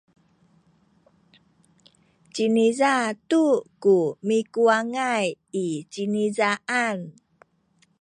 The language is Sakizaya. ciniza tu ku mikuwangay i cinizaan.